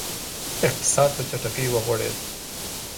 اقتصاد په چټکۍ وغوړېد.